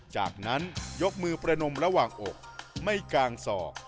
จากนั้นยกมือประนมระหว่างอกไม่กางศอก